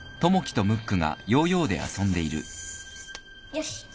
よし。